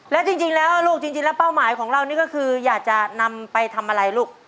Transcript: แล้วจริงแล้วลูกจริงแล้วเป้าหมายของเรานี่ก็คืออยากจะนำไปทำอะไรลูก